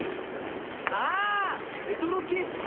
あレトロ系っすね。